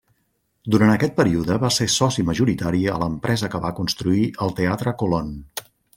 Durant aquest període va ser soci majoritari a l'empresa que va construir el Teatre Colón.